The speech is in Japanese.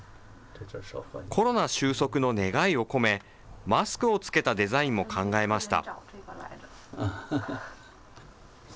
コロナ収束の願いを込め、マスクを着けたデザインも考えました。